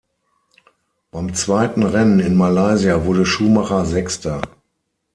Beim zweiten Rennen in Malaysia wurde Schumacher Sechster.